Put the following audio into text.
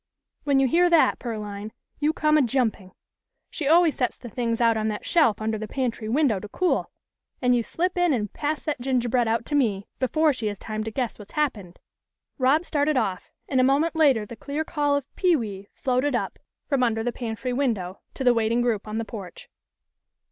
When you hear that, Pearline, you just come a jumping. She always sets the things out on that shelf under the pantry window to cool, and you slip in and pass that gingerbread out to me before she has time to guess what's happened." Rob started off, and a moment later the clear call of "pewee" floated up from under the pantry win dow, to the waiting group on the porch.